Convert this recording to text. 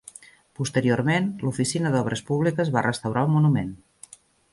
Posteriorment, l'Oficina d'Obres Públiques va restaurar el monument.